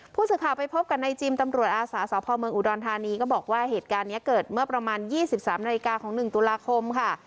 ผู้สื่อข่าวไปพบกับนายจิมตำรวจอาสาสพเมืองอุดรธานีก็บอกว่าเหตุการณ์นี้เกิดเมื่อประมาณ๒๓นาฬิกาของ๑ตุลาคมค่ะ